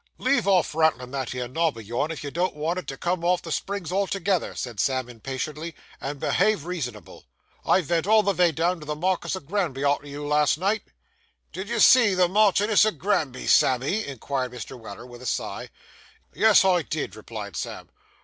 'Leave off rattlin' that 'ere nob o' yourn, if you don't want it to come off the springs altogether,' said Sam impatiently, 'and behave reasonable. I vent all the vay down to the Markis o' Granby, arter you, last night.' 'Did you see the Marchioness o' Granby, Sammy?' inquired Mr. Weller, with a sigh. 'Yes, I did,' replied Sam.